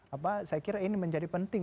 apa saya kira ini menjadi penting